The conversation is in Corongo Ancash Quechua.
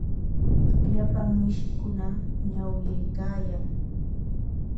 Llapan mishikunata ñawyaykaayan.